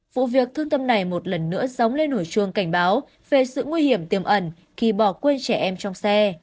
vụ việc thương tâm này một lần nữa dóng lên hồi chuông cảnh báo về sự nguy hiểm tiềm ẩn khi bỏ quên trẻ em trong xe